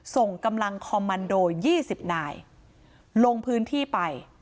ส่งกำลังคอมมันโดย๒๐นายลงพื้นที่ไป